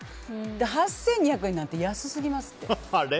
８２００円なんて安すぎますって。